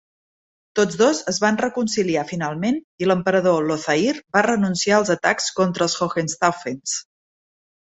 Tots dos es van reconciliar finalment i l'emperador Lothair va renunciar als atacs contra els Hohenstaufens.